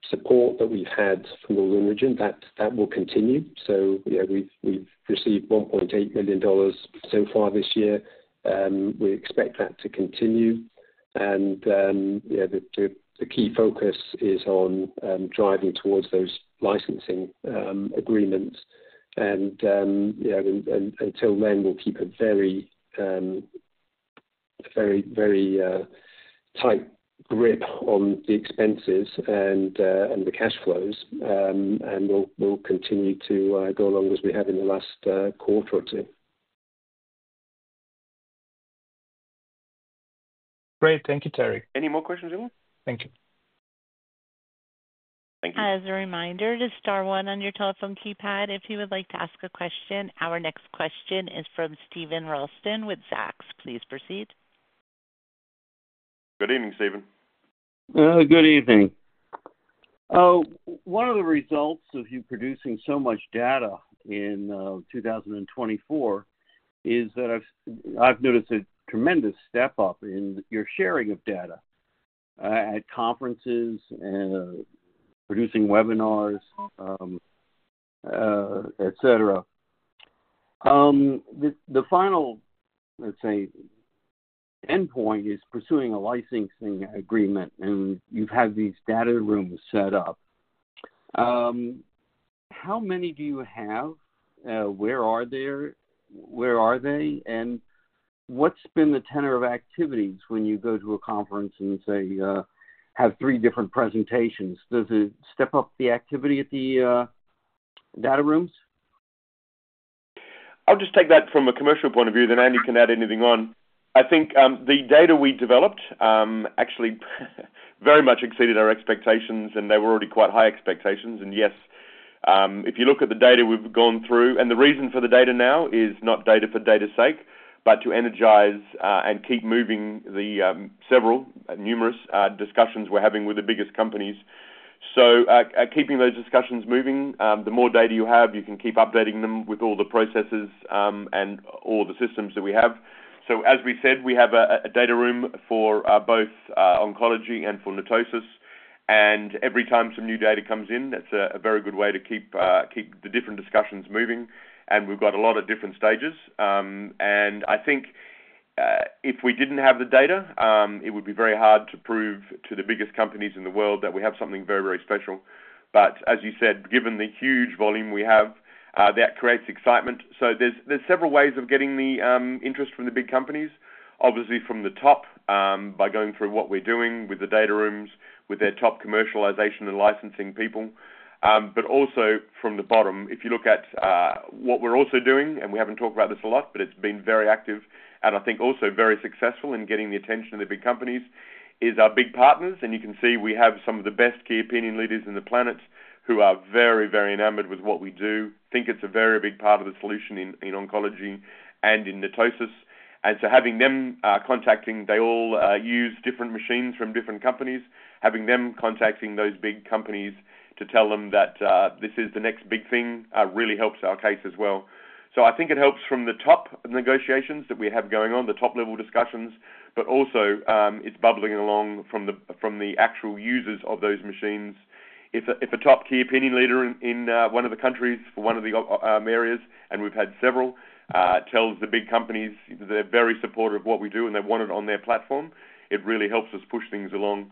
support that we've had from the Walloon region, that will continue. We've received $1.8 million so far this year. We expect that to continue. The key focus is on driving towards those licensing agreements. Until then, we'll keep a very, very tight grip on the expenses and the cash flows, and we'll continue to go along as we have in the last quarter or two. Great. Thank you, Terig. Any more questions, Ilya? Thank you. Thank you. As a reminder, to star one on your telephone keypad if you would like to ask a question. Our next question is from Steven Ralston with Zacks. Please proceed. Good evening, Steven. Good evening. One of the results of you producing so much data in 2024 is that I've noticed a tremendous step up in your sharing of data at conferences, producing webinars, etc. The final, let's say, endpoint is pursuing a licensing agreement, and you've had these data rooms set up. How many do you have? Where are they? And what's been the tenor of activities when you go to a conference and, say, have three different presentations? Does it step up the activity at the data rooms? I'll just take that from a commercial point of view. Then Andy can add anything on. I think the data we developed actually very much exceeded our expectations, and they were already quite high expectations. Yes, if you look at the data we've gone through, the reason for the data now is not data for data's sake, but to energize and keep moving the several numerous discussions we're having with the biggest companies. Keeping those discussions moving, the more data you have, you can keep updating them with all the processes and all the systems that we have. As we said, we have a data room for both oncology and for NETosis. Every time some new data comes in, it's a very good way to keep the different discussions moving. We've got a lot of different stages. I think if we didn't have the data, it would be very hard to prove to the biggest companies in the world that we have something very, very special. As you said, given the huge volume we have, that creates excitement. There are several ways of getting the interest from the big companies, obviously from the top, by going through what we're doing with the data rooms, with their top commercialization and licensing people, but also from the bottom. If you look at what we're also doing, and we haven't talked about this a lot, but it's been very active and I think also very successful in getting the attention of the big companies, is our big partners. You can see we have some of the best key opinion leaders on the planet who are very, very enamored with what we do, think it's a very big part of the solution in oncology and in Natosis. Having them contacting—they all use different machines from different companies—having them contacting those big companies to tell them that this is the next big thing really helps our case as well. I think it helps from the top negotiations that we have going on, the top-level discussions, but also it's bubbling along from the actual users of those machines. If a top key opinion leader in one of the countries for one of the areas, and we've had several, tells the big companies they're very supportive of what we do and they want it on their platform, it really helps us push things along.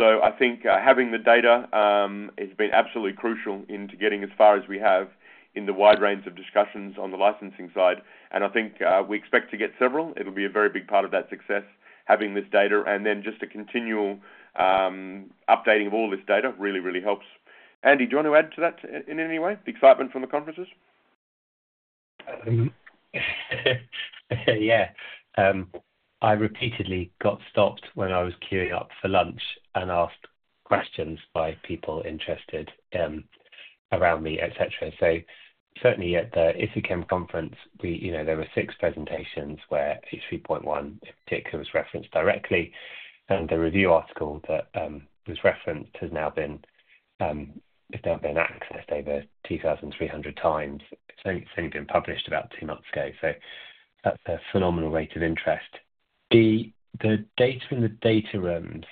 I think having the data has been absolutely crucial into getting as far as we have in the wide range of discussions on the licensing side. I think we expect to get several. It'll be a very big part of that success, having this data. The continual updating of all this data really, really helps. Andy, do you want to add to that in any way, the excitement from the conferences? Yeah. I repeatedly got stopped when I was queuing up for lunch and asked questions by people interested around me, etc. Certainly at the ISICEM conference, there were six presentations where H3.1, in particular, was referenced directly. The review article that was referenced has now been accessed over 2,300 times. It's only been published about two months ago. That's a phenomenal rate of interest. The data in the data rooms,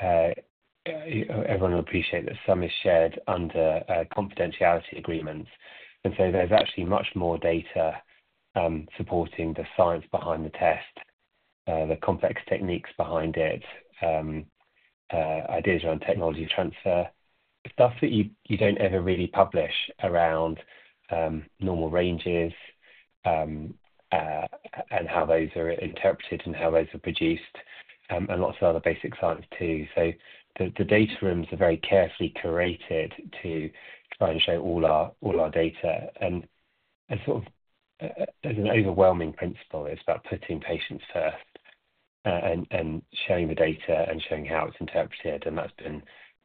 everyone will appreciate that some is shared under confidentiality agreements. There is actually much more data supporting the science behind the test, the complex techniques behind it, ideas around technology transfer, stuff that you do not ever really publish around normal ranges and how those are interpreted and how those are produced, and lots of other basic science too. The data rooms are very carefully curated to try and show all our data. As an overwhelming principle, it is about putting patients first and showing the data and showing how it is interpreted. That has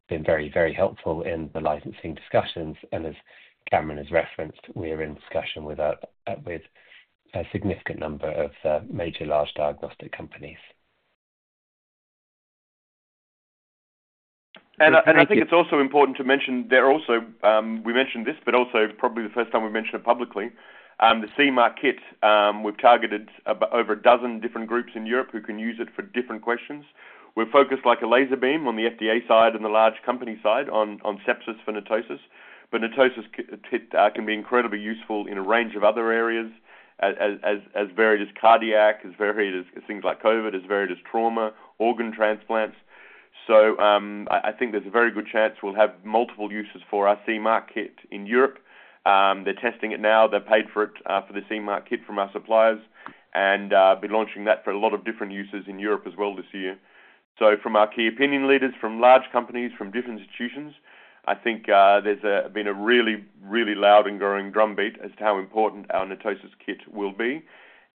been very, very helpful in the licensing discussions. As Cameron has referenced, we are in discussion with a significant number of major large diagnostic companies. I think it is also important to mention there also—we mentioned this, but also probably the first time we mention it publicly—the CE marked kit. We've targeted over a dozen different groups in Europe who can use it for different questions. We're focused like a laser beam on the FDA side and the large company side on sepsis for NETosis. NETosis kit can be incredibly useful in a range of other areas, as varied as cardiac, as varied as things like COVID, as varied as trauma, organ transplants. I think there's a very good chance we'll have multiple uses for our CE marked kit in Europe. They're testing it now. They've paid for it for the CE marked kit from our suppliers and be launching that for a lot of different uses in Europe as well this year. From our key opinion leaders, from large companies, from different institutions, I think there's been a really, really loud and growing drumbeat as to how important our NETosis kit will be.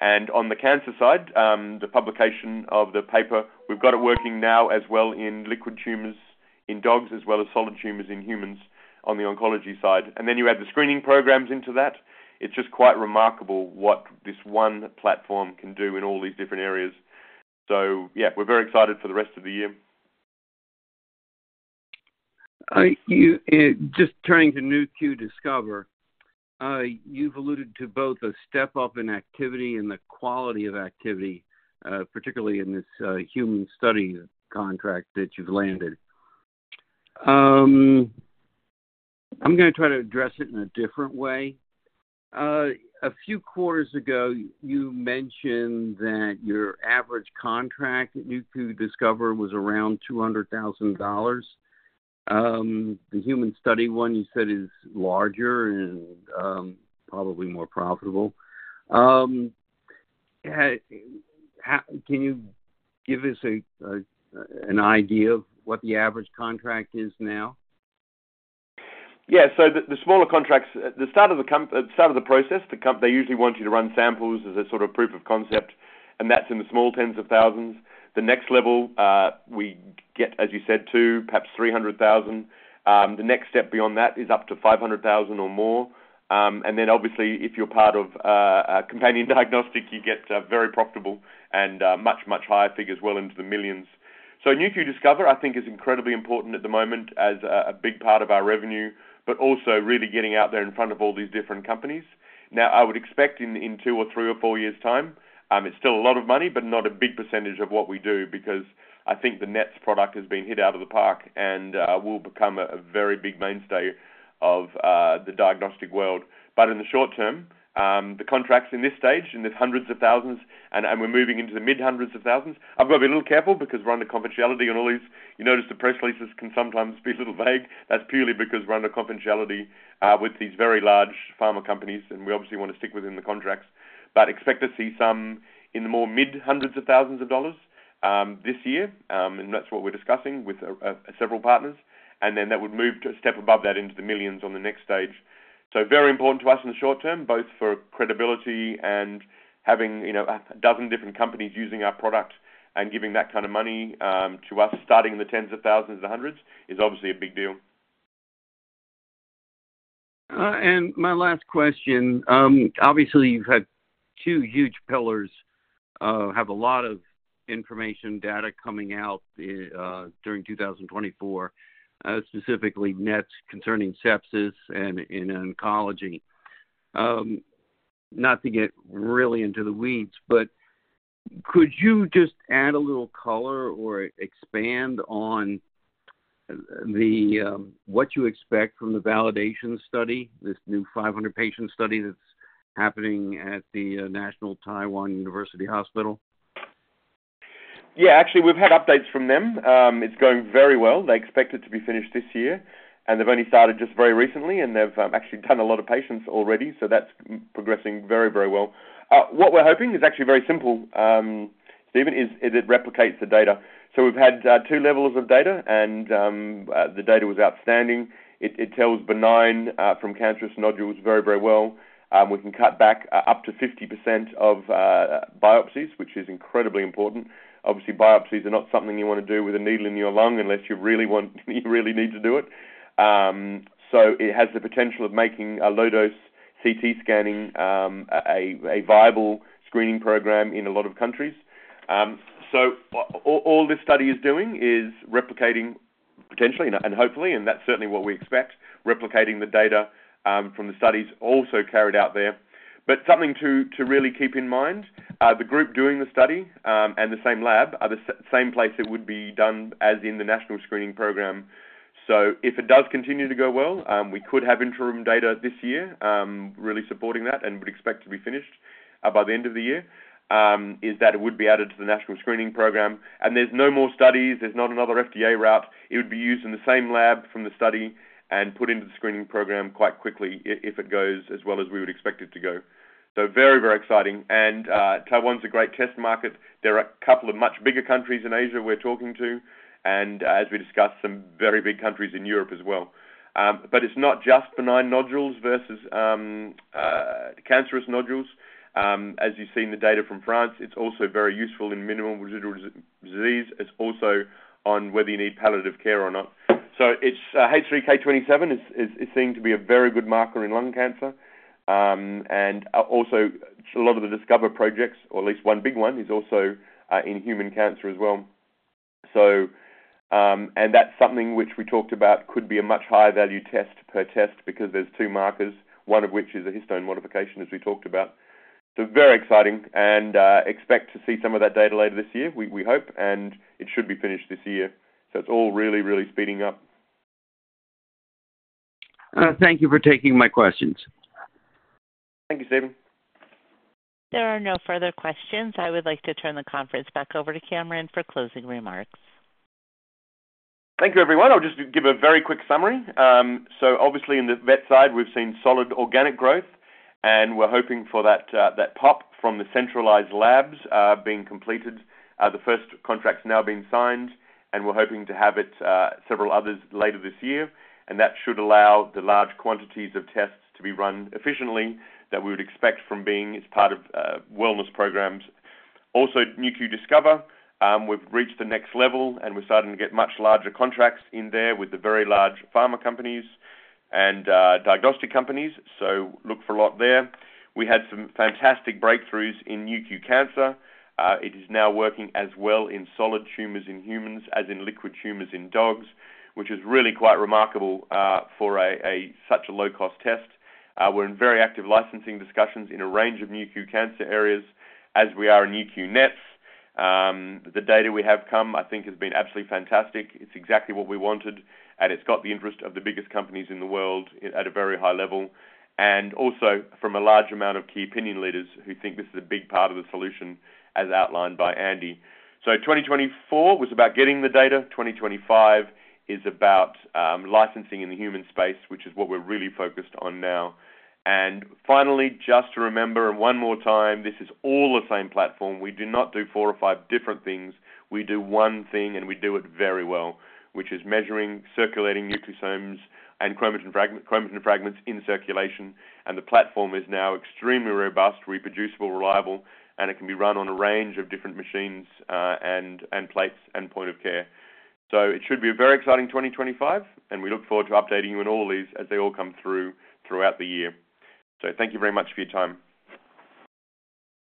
On the cancer side, the publication of the paper, we've got it working now as well in liquid tumors in dogs as well as solid tumors in humans on the oncology side. You add the screening programs into that. It is just quite remarkable what this one platform can do in all these different areas. Yeah, we're very excited for the rest of the year. Just turning to Nu.Q Discover, you've alluded to both a step up in activity and the quality of activity, particularly in this human study contract that you've landed. I'm going to try to address it in a different way. A few quarters ago, you mentioned that your average contract at Nu.Q Discover was around $200,000. The human study one, you said, is larger and probably more profitable. Can you give us an idea of what the average contract is now? Yeah. The smaller contracts, the start of the process, they usually want you to run samples as a sort of proof of concept, and that's in the small tens of thousands. The next level, we get, as you said, to perhaps $300,000. The next step beyond that is up to $500,000 or more. Obviously, if you're part of companion diagnostic, you get very profitable and much, much higher figures, well into the millions. Nu.Q Discover, I think, is incredibly important at the moment as a big part of our revenue, but also really getting out there in front of all these different companies. Now, I would expect in two or three or four years' time, it's still a lot of money, but not a big percentage of what we do because I think the net product has been hit out of the park and will become a very big mainstay of the diagnostic world. In the short term, the contracts in this stage, in the hundreds of thousands, and we're moving into the mid-hundreds of thousands, I've got to be a little careful because we're under confidentiality on all these. You notice the press releases can sometimes be a little vague. That's purely because we're under confidentiality with these very large pharma companies, and we obviously want to stick within the contracts. Expect to see some in the more mid-hundreds of thousands of dollars this year, and that's what we're discussing with several partners. That would move to a step above that into the millions on the next stage. Very important to us in the short term, both for credibility and having a dozen different companies using our product and giving that kind of money to us starting in the tens of thousands to hundreds is obviously a big deal. My last question, obviously, you've had two huge pillars, have a lot of information data coming out during 2024, specifically NETs concerning sepsis and in oncology. Not to get really into the weeds, but could you just add a little color or expand on what you expect from the validation study, this new 500-patient study that's happening at the National Taiwan University Hospital? Yeah. Actually, we've had updates from them. It's going very well. They expect it to be finished this year, and they've only started just very recently, and they've actually done a lot of patients already. That's progressing very, very well. What we're hoping is actually very simple, Steven, is it replicates the data. We've had two levels of data, and the data was outstanding. It tells benign from cancerous nodules very, very well. We can cut back up to 50% of biopsies, which is incredibly important. Obviously, biopsies are not something you want to do with a needle in your lung unless you really need to do it. It has the potential of making a low-dose CT scanning a viable screening program in a lot of countries. All this study is doing is replicating potentially and hopefully, and that's certainly what we expect, replicating the data from the studies also carried out there. Something to really keep in mind, the group doing the study and the same lab are the same place it would be done as in the national screening program. If it does continue to go well, we could have interim data this year really supporting that and would expect to be finished by the end of the year. It would be added to the national screening program. There are no more studies. There's not another FDA route. It would be used in the same lab from the study and put into the screening program quite quickly if it goes as well as we would expect it to go. Very, very exciting. Taiwan's a great test market. There are a couple of much bigger countries in Asia we're talking to, and as we discussed, some very big countries in Europe as well. It is not just benign nodules versus cancerous nodules. As you have seen the data from France, it is also very useful in minimal residual disease. It is also on whether you need palliative care or not. H3K27 is seen to be a very good marker in lung cancer. Also, a lot of the Discover projects, or at least one big one, is also in human cancer as well. That is something which we talked about could be a much higher value test per test because there are two markers, one of which is a histone modification, as we talked about. Very exciting. Expect to see some of that data later this year, we hope, and it should be finished this year. It is all really, really speeding up. Thank you for taking my questions. Thank you, Steven. There are no further questions. I would like to turn the conference back over to Cameron for closing remarks. Thank you, everyone. I'll just give a very quick summary. Obviously, in the vet side, we've seen solid organic growth, and we're hoping for that pop from the centralized labs being completed. The first contract's now being signed, and we're hoping to have several others later this year. That should allow the large quantities of tests to be run efficiently that we would expect from being as part of wellness programs. Also, Nu.Q Discover, we've reached the next level, and we're starting to get much larger contracts in there with the very large pharma companies and diagnostic companies. Look for a lot there. We had some fantastic breakthroughs in Nu.Q Cancer. It is now working as well in solid tumors in humans as in liquid tumors in dogs, which is really quite remarkable for such a low-cost test. We're in very active licensing discussions in a range of Nu.Q Cancer areas as we are in Nu.Q NETs. The data we have come, I think, has been absolutely fantastic. It's exactly what we wanted, and it's got the interest of the biggest companies in the world at a very high level. Also from a large amount of key opinion leaders who think this is a big part of the solution as outlined by Andy. 2024 was about getting the data. 2025 is about licensing in the human space, which is what we're really focused on now. Finally, just to remember one more time, this is all the same platform. We do not do four or five different things. We do one thing, and we do it very well, which is measuring circulating nucleosomes and chromatin fragments in circulation. The platform is now extremely robust, reproducible, reliable, and it can be run on a range of different machines and plates and point of care. It should be a very exciting 2025, and we look forward to updating you on all these as they all come through throughout the year. Thank you very much for your time.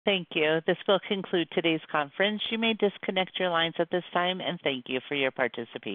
Thank you. This will conclude today's conference. You may disconnect your lines at this time, and thank you for your participation.